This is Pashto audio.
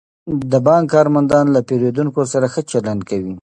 د بانک کارمندان له پیرودونکو سره ښه چلند کوي.